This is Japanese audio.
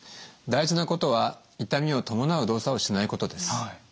大事なことは痛みを伴う動作をしないことです。